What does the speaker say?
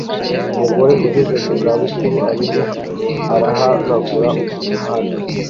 Umugore ugeze mu za bukuru arimo arahanagura umuhanda